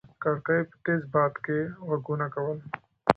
کړکۍ په تېز باد کې غږونه کول.